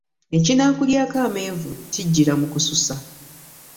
Ekinaakulyako amenvu, kijjira mu kususa.